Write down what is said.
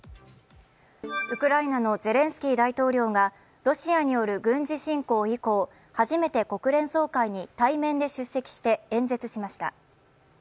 ウクライナのゼレンスキー大統領がロシアによる軍事侵攻以降初めて国連総会に対面で出席して演説しました